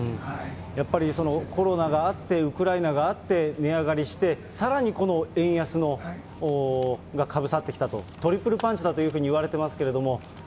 やっぱりコロナがあって、ウクライナがあって、値上がりして、さらにこの円安がかぶさってきたと、トリプルパンチだというふうにいわれていますけれども。